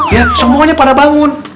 ya semuanya pada bangun